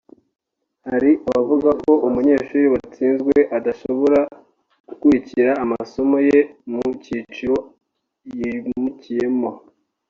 Hari abavuga ko umunyeshuri watsinzwe adashobora gukurikira amasomo ye mu cyiciro yimukiyemo